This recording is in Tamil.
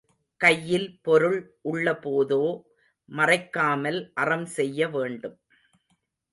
கையில் பொருள் உள்ள போதோ மறைக்காமல் அறம் செய்யவேண்டும்.